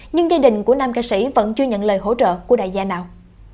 nhưng gia đình của nam ca sĩ vẫn chưa nhận lời hỗ trợ của đại gia nào